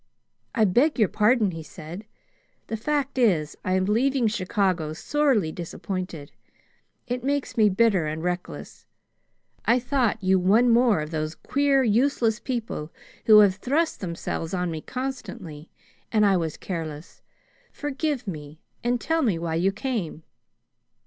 "I beg your pardon," he said. "The fact is, I am leaving Chicago sorely disappointed. It makes me bitter and reckless. I thought you one more of those queer, useless people who have thrust themselves on me constantly, and I was careless. Forgive me, and tell me why you came."